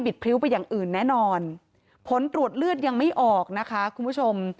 พริ้วไปอย่างอื่นแน่นอนผลตรวจเลือดยังไม่ออกนะคะคุณผู้ชม